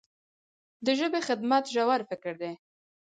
د ژبې خدمت ژور فکر دی.